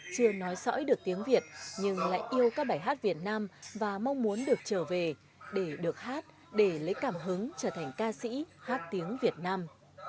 chưa nói sõi được tiếng việt nhưng lại yêu các bài hát việt nam và mong muốn được trở về để được hát để lấy cảm hứng trở thành ca sĩ hát tiếng việt nam